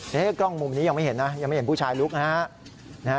นี่กล้องมุมนี้ยังไม่เห็นนะยังไม่เห็นผู้ชายลุกนะฮะ